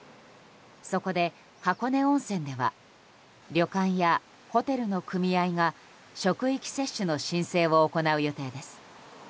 そこで箱根温泉では旅館やホテルの組合が職域接種の申請を行う予定です。